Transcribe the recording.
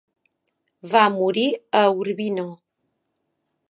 Va morir a Urbino.